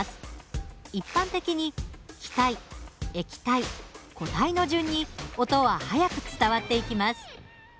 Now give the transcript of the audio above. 一般的に気体液体固体の順に音は速く伝わっていきます。